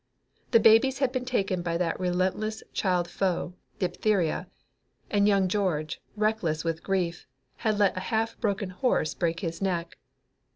The babies had been taken by that relentless child foe, diphtheria, and young George, reckless with grief, had let a half broken horse break his neck.